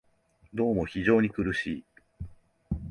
どうも非常に苦しい